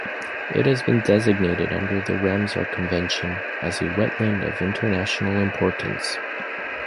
It has been designated under the Ramsar Convention as a Wetland of International Importance.